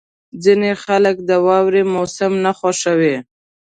• ځینې خلک د واورې موسم نه خوښوي.